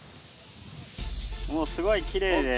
もうすごいきれいです。